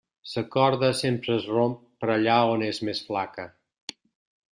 Sa corda sempre es romp per allà on és més flaca.